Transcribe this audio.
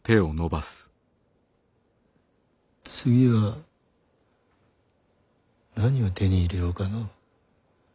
次は何を手に入れようかのう。